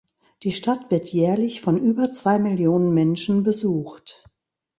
Die Stadt wird jährlich von über zwei Millionen Menschen besucht.